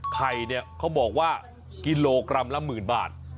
ไข่เนี่ยเขาบอกว่ากิโลกรัมละหมื่นบาท